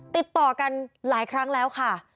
ติดต่อกันหลายครั้งแล้วค่ะ